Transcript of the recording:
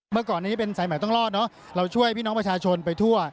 เมื่อก่อนนี้เป็นสายใหม่ต้องรอดเนอะเราช่วยพี่น้องประชาชนไปทั่ว